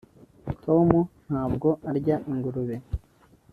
tom ntabwo arya ingurube